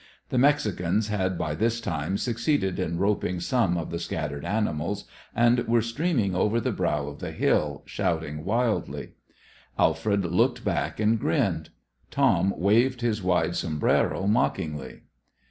The Mexicans had by this time succeeded in roping some of the scattered animals, and were streaming over the brow of the hill, shouting wildly. Alfred looked back and grinned. Tom waved his wide sombrero mockingly.